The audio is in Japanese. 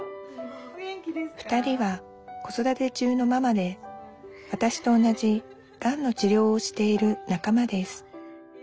２人は子育て中のママでわたしと同じがんの治療をしている仲間です